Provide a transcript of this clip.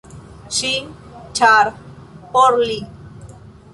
Ŝin, ĉar por li.